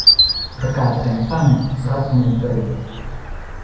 ประกาศแต่งตั้งรัฐมนตรี